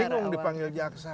bingung dipanggil jaksa